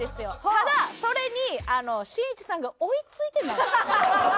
ただそれにしんいちさんが追いついてない。